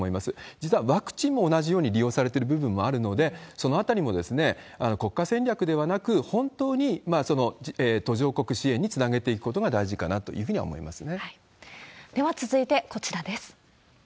実はワクチンも同じように利用されてる部分もあるので、そのあたりも国家戦略ではなく、本当に途上国支援につなげていくことが大事かなというふうには思では続いて、こちらです。